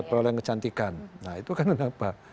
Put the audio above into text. perolehan kecantikan nah itu kan kenapa